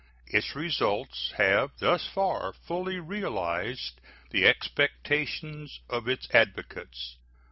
Its results have thus far fully realized the expectations of its advocates.